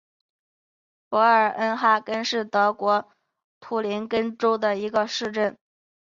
博尔恩哈根是德国图林根州的一个市镇。